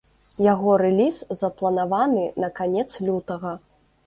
Яго рэліз запланаваны на канец лютага.